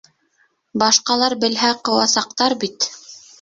Башҡалар белһә, ҡыуасаҡтар бит.